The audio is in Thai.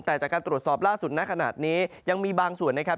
แต่จากการตรวจสอบล่าสุดณขนาดนี้ยังมีบางส่วนนะครับ